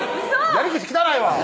やり口汚いわ！